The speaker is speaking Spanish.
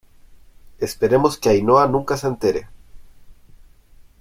esperemos que Ainhoa nunca se entere,